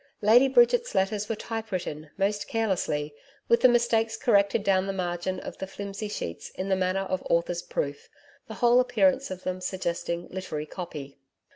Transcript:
Lady Bridget's letters were type written, most carelessly, with the mistakes corrected down the margin of the flimsy sheets in the manner of author's proof the whole appearance of them suggesting literary 'copy'.